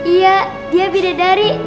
iya dia bidadari